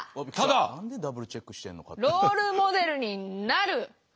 何でダブルチェックしてんのかっていう。